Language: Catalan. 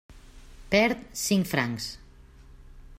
Perd cinc francs.